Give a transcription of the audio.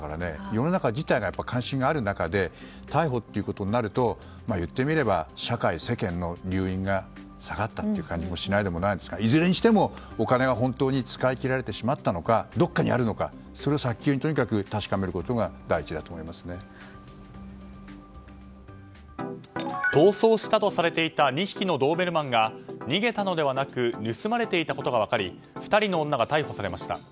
世の中自体が関心が高い中で逮捕ということになると言ってみれば社会、世間の溜飲が下がったという気もしないではないんですがいずれにしても、お金は本当に使い切られてしまったのかどこかにあるのか早急に確かめることが逃走したとされていた２匹のドーベルマンが逃げたのではなく盗まれていたことが分かり２人の女が逮捕されました。